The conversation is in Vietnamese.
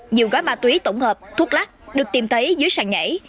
nhiều gói ma túy tổng hợp thuốc lắc được tìm thấy dưới sàn nhảy